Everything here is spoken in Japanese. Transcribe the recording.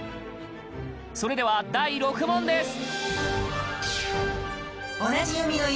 それでは第６問目です！